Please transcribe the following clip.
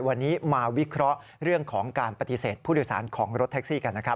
วันนี้มาวิเคราะห์เรื่องของการปฏิเสธผู้โดยสารของรถแท็กซี่กันนะครับ